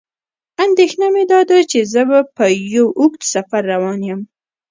اندېښنه مې داده چې زه په یو اوږد سفر روان یم.